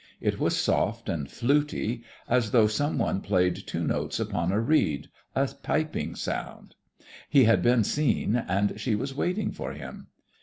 It was soft and flutey, as though some one played two notes upon a reed, a piping sound. He had been seen, and she was waiting for him.